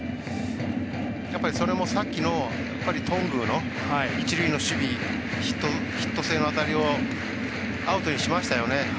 それもさっきの頓宮の一塁の守備、ヒット性の当たりをアウトにしましたよね。